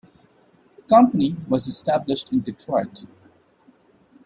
The company was established in Detroit.